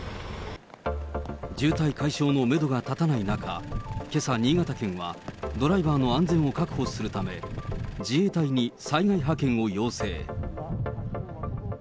渋滞解消のメドが立たない中、けさ、新潟県はドライバーの安全を確保するため、自衛隊に災害派遣を要請。